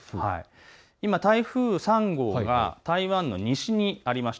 今、台風３号が台湾の西にあります。